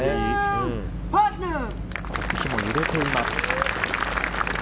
木も揺れています。